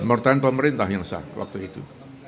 pemerintahan pemerintah yang sah waktu itu